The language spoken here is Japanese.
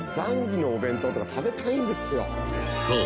［そう。